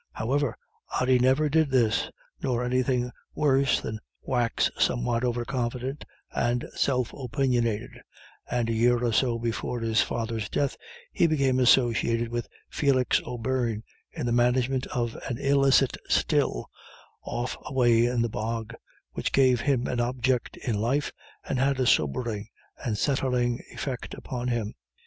However, Ody never did this nor anything worse than wax somewhat over confident and self opiniated; and a year or so before his father's death he became associated with Felix O'Beirne in the management of an illicit still off away in the bog, which gave him an object in life, and had a sobering and settling effect upon him.